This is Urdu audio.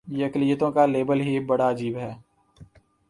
یہ اقلیتوں کا لیبل ہی بڑا عجیب ہے۔